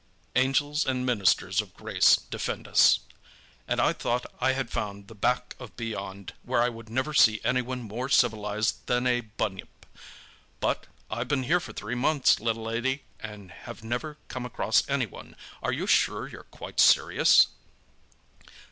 "Angels and ministers of grace, defend us! And I thought I had found the back of beyond, where I would never see anyone more civilized than a bunyip! But—I've been here for three months, little lady, and have never come across anyone. Are you sure you're quite serious?"